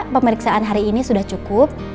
pemeriksaan hari ini sudah cukup